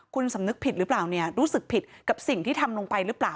คุณสำนึกผิดหรือเปล่าเนี่ยรู้สึกผิดกับสิ่งที่ทำลงไปหรือเปล่า